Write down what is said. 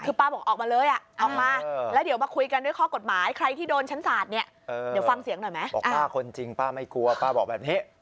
คือป้าบอกออกมาเลยออกมา